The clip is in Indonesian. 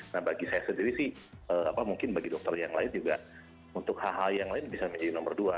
nah bagi saya sendiri sih mungkin bagi dokter yang lain juga untuk hal hal yang lain bisa menjadi nomor dua